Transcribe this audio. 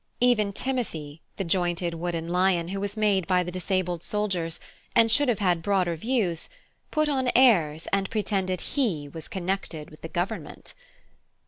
Even Timothy, the jointed wooden lion, who was made by the disabled soldiers, and should have had broader views, put on airs and pretended he was connected with Government.